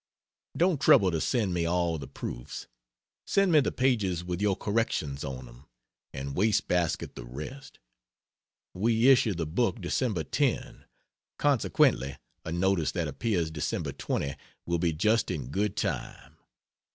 Don't trouble to send me all the proofs; send me the pages with your corrections on them, and waste basket the rest. We issue the book Dec. 10; consequently a notice that appears Dec. 20 will be just in good time.